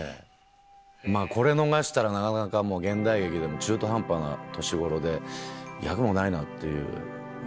まぁこれ逃したらなかなか現代劇でも中途半端な年頃で役もないなっていう。